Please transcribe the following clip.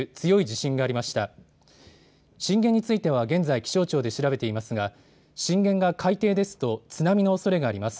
震源については現在気象庁で調べていますが震源が海底ですと津波のおそれがあります。